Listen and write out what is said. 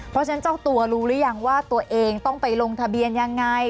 เพราะฉะนั้นเจ้าตัวรู้หรือยังว่าตัวเองต้องไปลงทะเบียนยังไง